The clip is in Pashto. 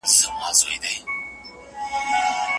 زه ورته ټوله شپه قرآن لولم قرآن ورښيم